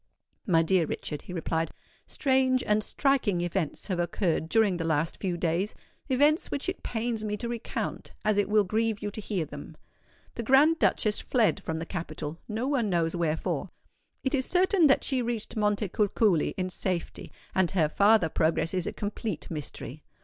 "My dear Richard," he replied, "strange and striking events have occurred during the last few days,—events which it pains me to recount, as it will grieve you to hear them. The Grand Duchess fled from the capital—no one knows wherefore. It is certain that she reached Montecuculi in safety; and her farther progress is a complete mystery.